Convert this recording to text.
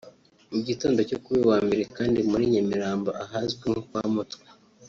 Mu gitondo cyo kuri uyu wa Mbere kandi muri Nyamirambo ahazwi nko kwa Mutwe